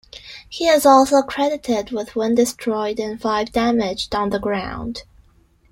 He is also credited with one destroyed and five damaged on the ground.